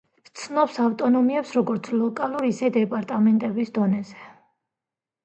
სცნობს ავტონომიებს, როგორც ლოკალურ, ისე დეპარტამენტების დონეზე.